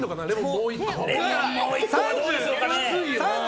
もう１個。